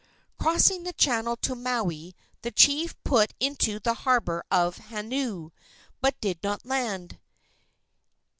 Crossing the channel to Maui, the chief put into the harbor of Haneoo, but did not land.